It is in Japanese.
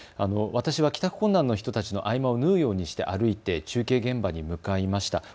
私は帰宅の人たちの合間を縫うようにして歩いて中継現場に向かいました。